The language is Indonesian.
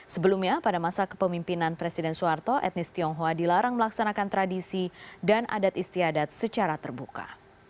sebelumnya pada masa kepemimpinan presiden soeharto etnis tionghoa dilarang melaksanakan tradisi dan adat istiadat secara terbuka